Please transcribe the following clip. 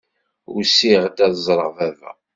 Usiɣ-d ad ẓreɣ baba.